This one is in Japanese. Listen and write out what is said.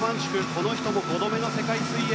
この人も５度目の世界水泳。